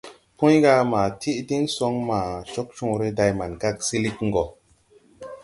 Pũy: «Ma tiʼ diŋ soŋ ma Cogcõõre, day Mankag silig gɔ.».